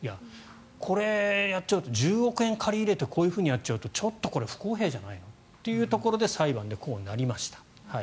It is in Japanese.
これやっちゃうと１０億円借り入れてこういうふうにやっちゃうと不公平じゃないの？ということで裁判でこうなりました。